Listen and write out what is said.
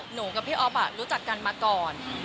หนูกับพี่อ๊อฟรู้จักกันมาก่อน